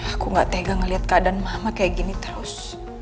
aku gak tega ngeliat keadaan mama kayak gini terus